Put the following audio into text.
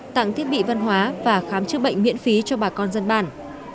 tặng thiết bị văn hóa và khám chữa bệnh miễn phí cho bà con dân bản